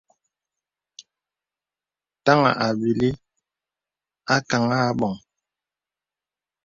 Taŋā à bìlī ākàŋ abɔ̄ŋ.